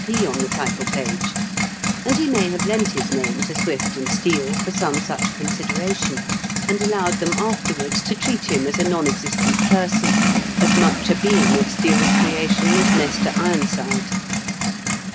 P. on the title page ; and he may have lent his name to Swift and Steele, for some such consideration, and allowed them afterwards to treat him as a non existent 222 IN KENT WITH CHJELE8 DICKENS. person, as much a being of Steele's creation as Nestor Ironside.